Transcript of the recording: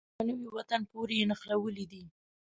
په يوه نوي وطن پورې یې نښلولې دي.